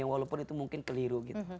walaupun itu mungkin keliru